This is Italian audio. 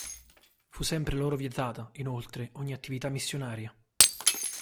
Fu sempre loro vietata, inoltre, ogni attività missionaria.